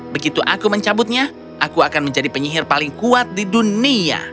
begitu aku mencabutnya aku akan menjadi penyihir paling kuat di dunia